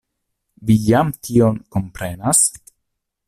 Vi jam tion komprenas?